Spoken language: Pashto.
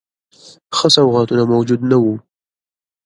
ښه سوغاتونه موجود نه وه.